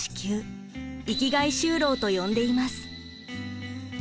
生きがい就労と呼んでいます。